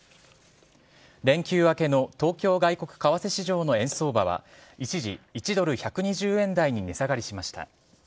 連休明けの東京外国為替市場の円相場は、一時１ドル１２０円台に値下がりしました。